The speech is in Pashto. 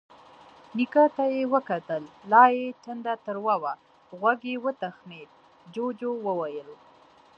نيکه ته يې وکتل، لا يې ټنډه تروه وه. غوږ يې وتخڼېد، جُوجُو وويل: